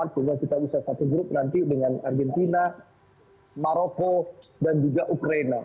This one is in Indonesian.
sehingga kita bisa satu grup nanti dengan argentina maroko dan juga ukraina